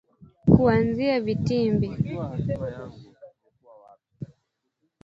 kuanza vitimbi